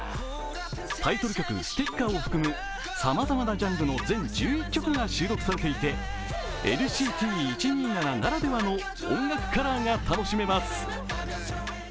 タイトル曲「Ｓｔｉｃｋｅｒ」を含むさまざまなジャンルの全１１曲が収録されていてＮＣＴ１２７ならではの音楽カラーが楽しめます。